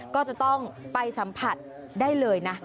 ก็จะต้องไปสัมผัสได้เลยนะ